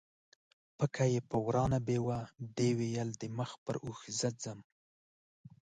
پکه یې په وراه نه بیوه، دې ویل د مخ پر اوښ زه ځم